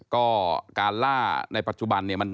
ก็การล่าในปัจจุบันเนี่ย